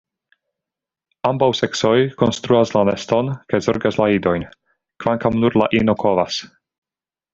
Ambaŭ seksoj konstruas la neston kaj zorgas la idojn, kvankam nur la ino kovas.